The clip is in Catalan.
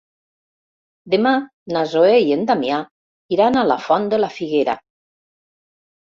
Demà na Zoè i en Damià iran a la Font de la Figuera.